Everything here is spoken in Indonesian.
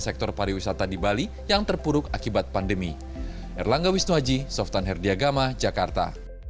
sektor pariwisata di bali yang terpuruk akibat pandemi erlangga wisnuaji softan herdiagama jakarta